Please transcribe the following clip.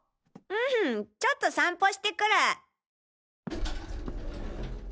んちょっと散歩してくる。